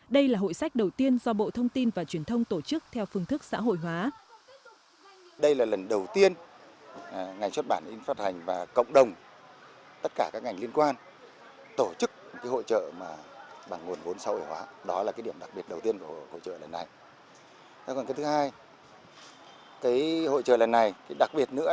đây là hội sách đầu tiên do bộ thông tin và truyền thông tổ chức theo phương thức xã hội hóa